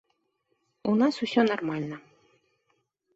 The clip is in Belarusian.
У нас усё нармальна.